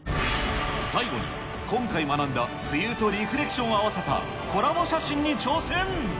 最後に今回学んだ浮遊とリフレクションを合わせたコラボ写真に挑戦。